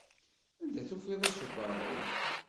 Anda-t ufriḍ usebbaḍ-ik?